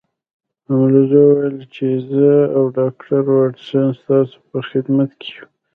هولمز وویل چې زه او ډاکټر واټسن ستاسو په خدمت کې یو